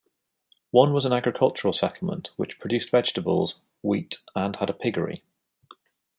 One was an agricultural settlement, which produced vegetables, wheat, and had a piggery.